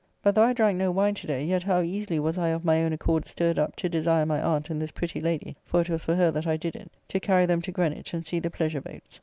But though I drank no wine to day, yet how easily was I of my own accord stirred up to desire my aunt and this pretty lady (for it was for her that I did it) to carry them to Greenwich and see the pleasure boats.